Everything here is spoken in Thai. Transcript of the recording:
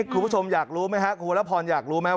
คุณผู้ชมอยากรู้ไหมครับคุณวรพรอยากรู้ไหม